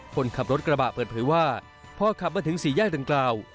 คนขับรถกระบะเปิดเผยว่าพอขับมาถึงสี่แยกดังกล่าว